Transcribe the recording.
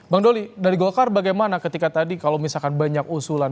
bang doli dari golkar bagaimana ketika tadi kalau misalkan banyak usulan